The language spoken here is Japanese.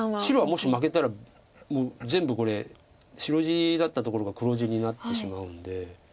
白はもし負けたらもう全部これ白地だったところが黒地になってしまうんで。